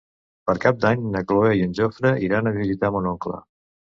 Per Cap d'Any na Cloè i en Jofre iran a visitar mon oncle.